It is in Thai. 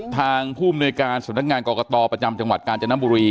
ทางผู้มนุยการสำนักงานกรกตประจำจังหวัดกาญจนบุรี